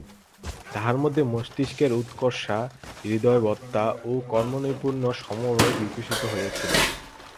তাঁহার মধ্যে মস্তিষ্কের উৎকর্ষতা, হৃদয়বত্তা ও কর্মনৈপুণ্য সমভাবে বিকশিত হইয়াছিল।